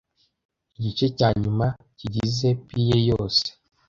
Igice cya nyuma kigize pie yose.